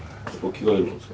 着替えるんですか？